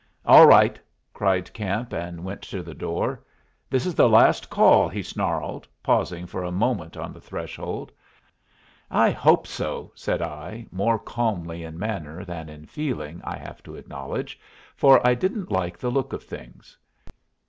"All right," cried Camp, and went to the door. "This is the last call," he snarled, pausing for a moment on the threshold. "I hope so," said I, more calmly in manner than in feeling, I have to acknowledge, for I didn't like the look of things.